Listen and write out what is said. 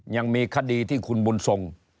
ยังมีคดีที่คุณบุญทรง